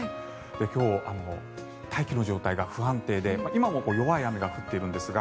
今日、大気の状態が不安定で今も弱い雨が降っているんですが。